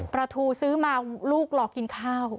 ประทูซื้อมาลูกหลอกกินข้าว